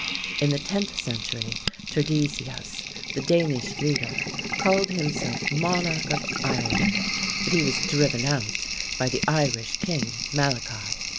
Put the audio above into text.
In the tenth century, Turgesius, the Danish leader, called himself monarch of Ireland, but he was driven out by the Irish king, Malachi.